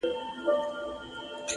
هوښیار فکر د راتلونکي بنسټ جوړوي؛